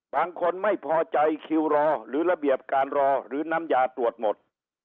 บางคนไม่พอใจคิวรอหรือระเบียบการรอหรือน้ำยาตรวจหมด